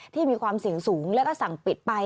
ที่มีความเสี่ยงสูงแล้วก็สั่งปิดไป